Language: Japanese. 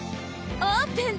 オープン！